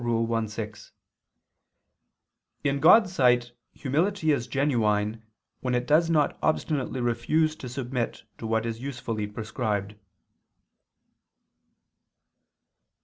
i, 6): "In God's sight humility is genuine when it does not obstinately refuse to submit to what is usefully prescribed."